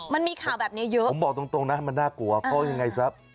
มันมีข่าวแบบนี้เยอะผมบอกตรงนะมันน่ากลัวเพราะยังไงซะ